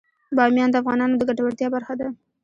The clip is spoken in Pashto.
بامیان د افغانانو د ګټورتیا برخه ده.